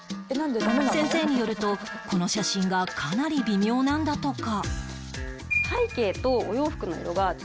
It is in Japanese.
先生によるとこの写真がかなり微妙なんだとか